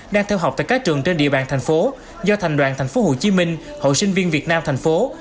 đang theo học tại các trường trên địa bàn thành phố do thành đoàn tp hcm hội sinh viên việt nam thành phố